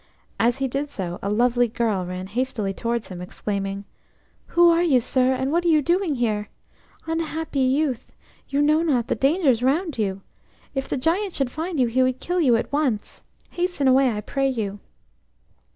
As he did so, a lovely girl ran hastily towards him, exclaiming: "Who are you, sir, and what are you doing here? Unhappy youth! You know not the dangers round you. If the Giant should find you he would kill you at once. Hasten away, I pray you."